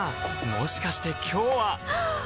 もしかして今日ははっ！